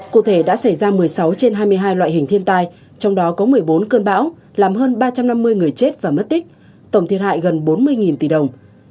cụ thể đã xảy ra một mươi sáu trên hai mươi hai loại hình thiên tai trong đó có một mươi bốn cơn bão làm hơn ba trăm năm mươi người chết và mất tích tổng thiệt hại gần bốn mươi tỷ đồng